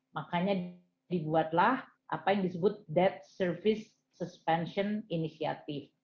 makanya dibuatlah apa yang disebut dead service suspension initiative